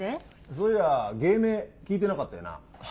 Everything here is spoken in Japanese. そういや芸名聞いてなかったよな。